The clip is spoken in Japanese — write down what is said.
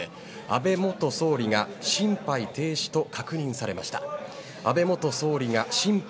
安倍元首相が心肺停止と確認されました。